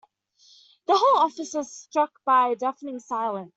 The whole office was struck by a deafening silence.